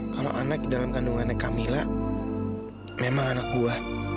kalau anak dalam kandungannya kamilah memang anak gue